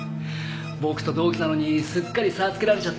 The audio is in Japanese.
僕と同期なのにすっかり差をつけられちゃってね。